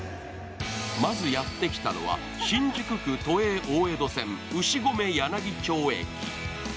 まずやってきたのは新宿区・都営大江戸線・牛込柳町駅。